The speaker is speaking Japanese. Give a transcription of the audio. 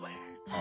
あ？